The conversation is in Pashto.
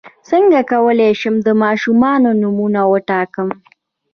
څنګه کولی شم د ماشومانو نومونه وټاکم